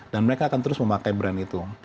dan mereka akan terus memakai brand itu